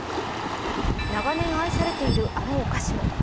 長年愛されているあのお菓子も。